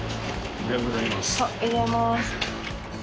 おはようございます。